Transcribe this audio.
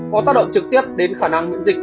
có tác động trực tiếp đến khả năng miễn dịch